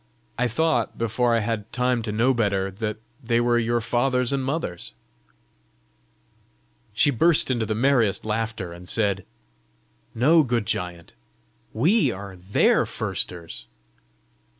I thought, before I had time to know better, that they were your fathers and mothers." She burst into the merriest laughter, and said, "No, good giant; WE are THEIR firsters."